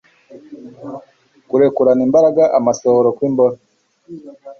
kurekurana imbaraga amasohoro kw'imboro